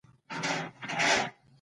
له نندارې مو وېډیو اخیستل کېدې.